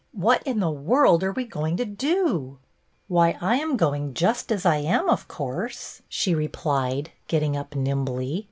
What in the world are we going to do ?" "Why, I am going just as I am, of course," she replied, getting up nimbly.